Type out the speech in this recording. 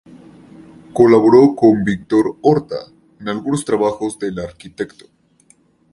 Colaboró con Victor Horta en algunos trabajos del arquitecto.